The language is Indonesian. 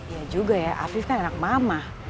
iya juga ya afif kan anak mama